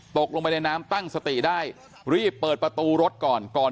ตกลงไปในน้ำตั้งสติได้รีบเปิดประตูรถก่อนก่อน